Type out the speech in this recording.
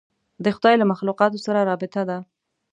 د خدای له مخلوقاتو سره رابطه ده.